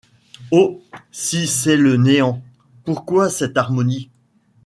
Oh ! si c’est le néant, pourquoi cette harmonie ?